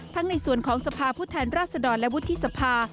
ในส่วนของสภาพผู้แทนราชดรและวุฒิสภา